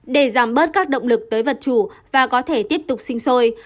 để giảm bớt các động lực tới vật chủ và có thể tiếp tục sinh sôi